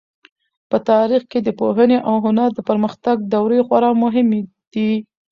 په تاریخ کې د پوهنې او هنر د پرمختګ دورې خورا مهمې دي.